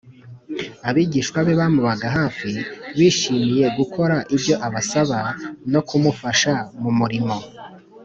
abigishwa be bamubaga hafi, bishimiye gukora ibyo abasaba no kumufasha mu murimo